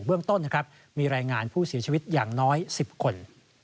เรื่องต้นนะครับมีรายงานผู้เสียชีวิตอย่างน้อย๑๐คน